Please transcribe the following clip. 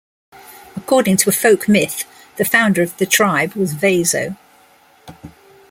According to a folk myth, the founder of the tribe was "Vaso".